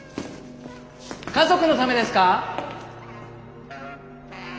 家族のためですか？